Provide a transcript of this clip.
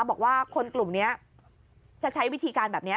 บอกว่าคนกลุ่มนี้จะใช้วิธีการแบบนี้